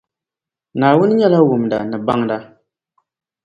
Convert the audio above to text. Naawuni nyɛla wumda ni baŋda.